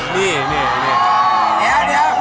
เดี๋ยว